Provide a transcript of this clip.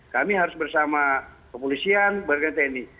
kami harus bersama kepolisian bagian tni